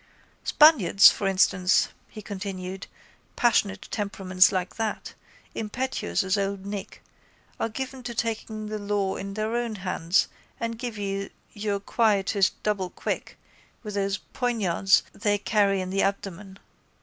—Spaniards, for instance, he continued, passionate temperaments like that, impetuous as Old Nick, are given to taking the law into their own hands and give you your quietus doublequick with those poignards they carry in the abdomen.